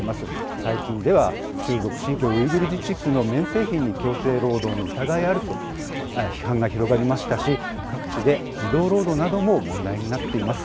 最近では、中国・新疆ウイグル自治区の綿製品に強制労働の疑いがあると批判が広がりましたし、各地で児童労働なども問題になっています。